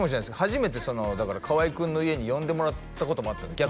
初めて河合君の家に呼んでもらったこともあったんです